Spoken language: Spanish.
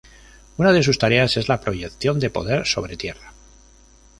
Una de sus tareas es la proyección de poder sobre tierra.